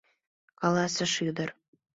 — каласыш ӱдыр.